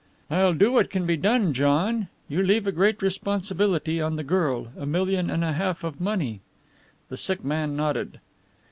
"I'll do what can be done, John. You leave a great responsibility upon the girl a million and a half of money." The sick man nodded.